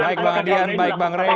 baik bang rai dan juga bang adrian